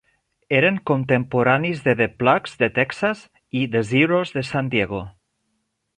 Eren contemporanis de The Plugz de Texas i The Zeros de San Diego.